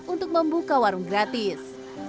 untuk membuka warung gratis